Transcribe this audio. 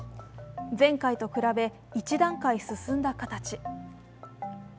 前回と比べ一段階進んだ形。